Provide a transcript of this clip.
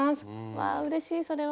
わあうれしいそれは。